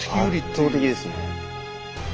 圧倒的ですね。